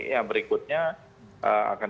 yang berikutnya akan